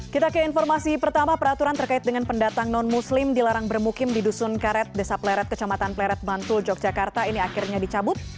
kita ke informasi pertama peraturan terkait dengan pendatang non muslim dilarang bermukim di dusun karet desa pleret kecamatan pleret bantul yogyakarta ini akhirnya dicabut